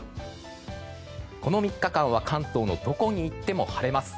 この３日間は関東のどこに行っても晴れます。